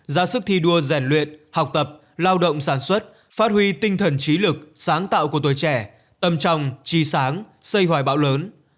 ra sức thi đua rèn luyện học tập lao động sản xuất phát huy tinh thần trí lực sáng tạo của tuổi trẻ tâm tròng chi sáng xây hoài bão lớn